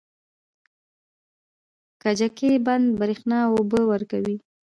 کجکي بند بریښنا او اوبه ورکوي